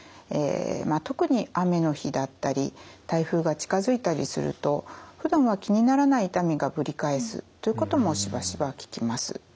まあ特に雨の日だったり台風が近づいたりするとふだんは気にならない痛みがぶり返すということもしばしば聞きます。